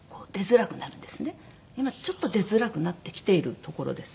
今ちょっと出づらくなってきているところです。